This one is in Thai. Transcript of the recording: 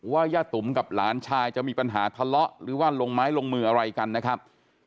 ย่าตุ๋มกับหลานชายจะมีปัญหาทะเลาะหรือว่าลงไม้ลงมืออะไรกันนะครับ